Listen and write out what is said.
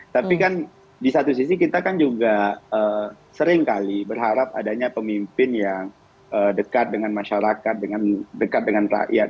tapi kan di satu sisi kita kan juga seringkali berharap adanya pemimpin yang dekat dengan masyarakat dekat dengan rakyat